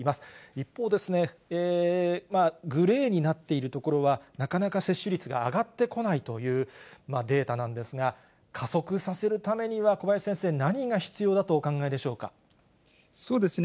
一方、グレーになっている所は、なかなか接種率が上がってこないという、データなんですが、加速させるためには、小林先生、そうですね。